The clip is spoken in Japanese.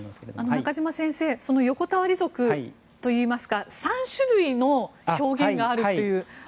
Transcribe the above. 中嶋先生その横たわり族といいますか３種類の表現があるという。